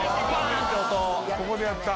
ここでやった。